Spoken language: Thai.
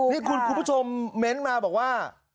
นี่คุณผู้ชมเม้นต์มาบอกว่า